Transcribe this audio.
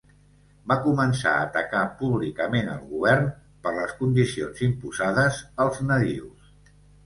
Va començar a atacar públicament al govern per les condicions imposades als nadius.